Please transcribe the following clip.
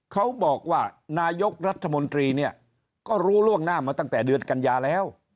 เขาบอกว่านายกรัฐมนตรีเนี่ยก็รู้ล่วงหน้ามาตั้งแต่เดือนกันยาแล้ว